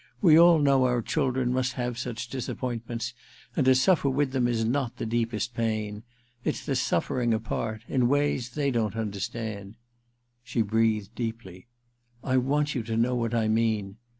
We all know our children must have such disappointments, and to suffer with them is not the deepest pain. It's the suffering apart — ^in ways they don't understand ' 304 THE QUICKSAND iii She breathed deeply. 'I want you to know what I mean.